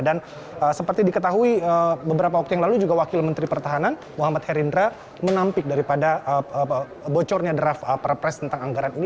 dan seperti diketahui beberapa waktu yang lalu juga wakil menteri pertahanan muhammad herindra menampik daripada bocornya draft perpres tentang anggaran ini